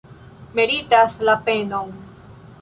Meritas la penon!